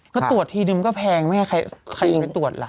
ถ้าตรวจทีนึงมันก็แพงไม่ง่าใครไปตรวจล่ะ